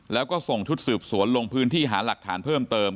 แล้วก็ส่งชุดสืบสวนลงพื้นที่หาหลักฐานเพิ่มเติม